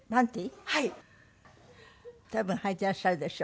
多分はいてらっしゃるでしょう。